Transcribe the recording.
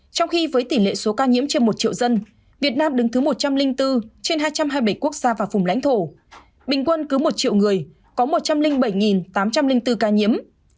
trong khi với tỷ lệ số ca nhiễm trên một triệu dân việt nam đứng thứ một trăm linh bốn trên hai trăm hai mươi bảy quốc gia và vùng lãnh thổ bình quân cứ một triệu người có một trăm linh bảy tám trăm linh bốn ca nhiễm